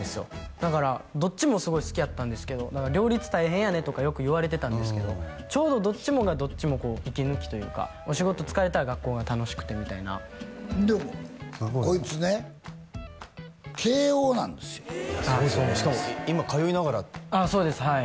だからどっちもすごい好きやったんですけど両立大変やねとかよく言われてたんですけどちょうどどっちもがどっちも息抜きというかお仕事疲れたら学校が楽しくてみたいなでこいつね慶應なんですよすごいですよねしかも今通いながらそうですはい